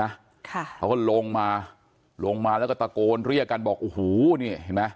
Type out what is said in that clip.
ค่ะเขาก็ลงมาลงมาแล้วก็ตะโกนเรียกกันบอกโอ้โหนี่เห็นไหม